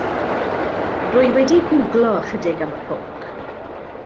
Rwy wedi gwglo ychydig am y pwnc.